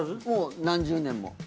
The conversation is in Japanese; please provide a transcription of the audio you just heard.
もう何十年も。